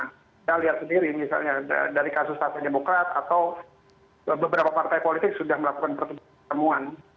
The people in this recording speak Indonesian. kita lihat sendiri misalnya dari kasus partai demokrat atau beberapa partai politik sudah melakukan pertemuan